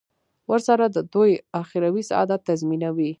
ورسره د دوی اخروي سعادت تضمینوي.